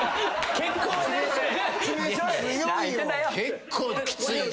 結構きついで。